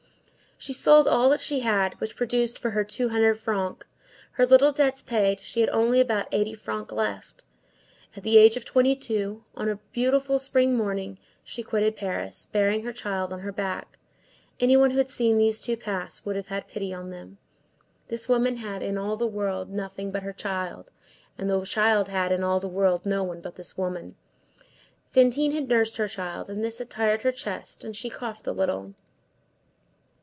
She sold all that she had, which produced for her two hundred francs; her little debts paid, she had only about eighty francs left. At the age of twenty two, on a beautiful spring morning, she quitted Paris, bearing her child on her back. Any one who had seen these two pass would have had pity on them. This woman had, in all the world, nothing but her child, and the child had, in all the world, no one but this woman. Fantine had nursed her child, and this had tired her chest, and she coughed a little.